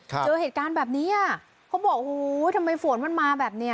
เจอเหตุการณ์แบบนี้อ่ะเขาบอกโอ้โหทำไมฝนมันมาแบบเนี้ย